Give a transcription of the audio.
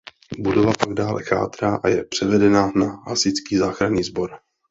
Budova pak dále chátrá a je převedena na Hasičský záchranný sbor.